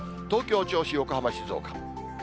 東京、銚子、横浜、静岡。